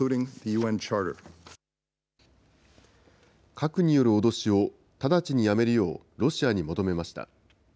核による脅しを直ちにやめるようロシアに求めました。